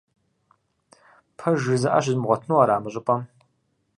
Пэж жызыӀэ щызмыгъуэтыну ара мы щӀыпӀэм?